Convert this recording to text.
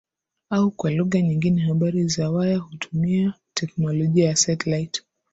Au kwa lugha nyingine habari za waya hutumia teknolojia ya satelite